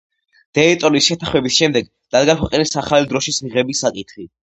დეიტონის შეთანხმების შემდეგ დადგა ქვეყნის ახალი დროშის მიღების საკითხი.